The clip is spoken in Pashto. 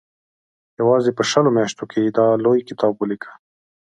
یوازې په شلو میاشتو کې یې دا لوی کتاب ولیکه.